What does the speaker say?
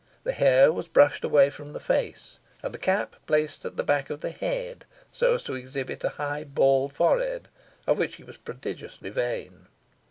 The hair was brushed away from the face, and the cap placed at the back of the head, so as to exhibit a high bald forehead, of which he was prodigiously vain.